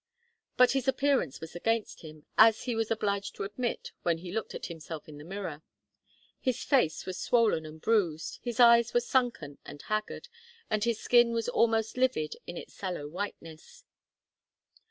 But his appearance was against him, as he was obliged to admit when he looked at himself in the mirror. His face was swollen and bruised, his eyes were sunken and haggard, and his skin was almost livid in its sallow whiteness.